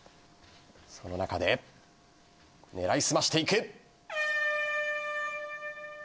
その中で狙い澄ましていく。